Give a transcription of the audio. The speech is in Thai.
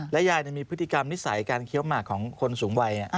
ยายมีพฤติกรรมนิสัยการเคี้ยวหมากของคนสูงวัย